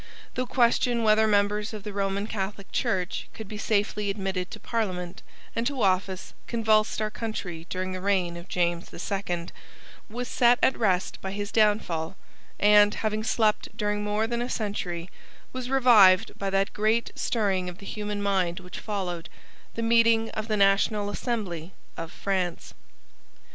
The question whether members of the Roman Catholic Church could be safely admitted to Parliament and to office convulsed our country during the reign of James the Second, was set at rest by his downfall, and, having slept during more than a century, was revived by that great stirring of the human mind which followed, the meeting of the National Assembly of France.